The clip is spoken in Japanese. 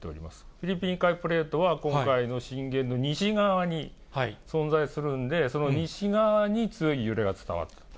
フィリピン海プレートは、今回の震源の西側に存在するんで、その西側に強い揺れが伝わる。